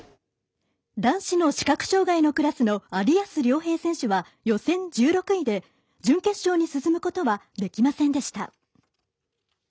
男子の視覚障がいのクラスの有安諒平選手は予選１６位で準決勝に進むことはできませんでした。